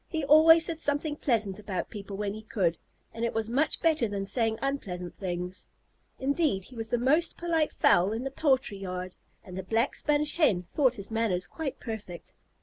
He always said something pleasant about people when he could, and it was much better than saying unpleasant things. Indeed, he was the most polite fowl in the poultry yard, and the Black Spanish Hen thought his manners quite perfect.